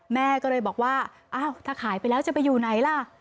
แม่ก็เลยบอกว่าอ้าวถ้าขายไปแล้วจะไปอยู่ไหนล่ะ